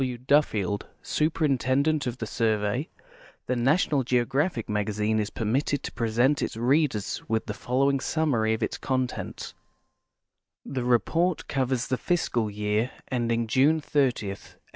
W. Duffield, Sui)erintendent of the Survey, The National Geogiiaimiic ^Magazine is permitted to present its readers with the following summary of its contents : Tlie report covers the fiscal year ending June 30, 1895.